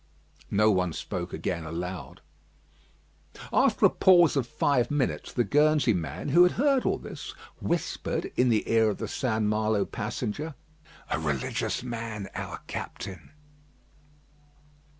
No one spoke again aloud. After a pause of five minutes, the Guernsey man, who had heard all this, whispered in the ear of the St. Malo passenger: "A religious man, our captain."